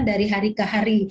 dari hari ke hari